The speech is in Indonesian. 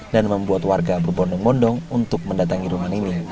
dan membuat warga berbondong bondong untuk mendatangi rumah nining